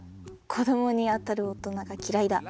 子どもに当たる大人が嫌いだ。